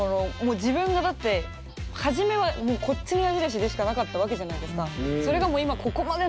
自分がだって初めはこっちの矢印でしかなかったわけじゃないですか。